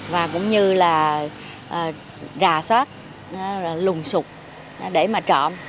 và cũng như là rà soát lùng sụt để mà trộn